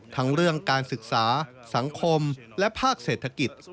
ทั้งเรื่องการศึกษาสังคมและภาคเศรษฐกิจ